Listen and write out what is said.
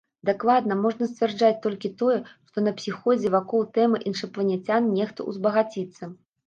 Дакладна можна сцвярджаць толькі тое, што на псіхозе вакол тэмы іншапланецян нехта ўзбагаціцца.